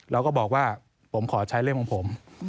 แล้วก็บอกว่าผมขอใช้เล่มของผม